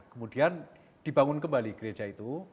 kemudian dibangun kembali gereja itu